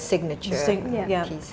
bisnis peringkat anda